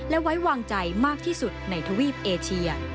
และไว้วางใจมากที่สุดในทวีปเอเชีย